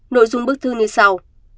nội dung bức thư như sau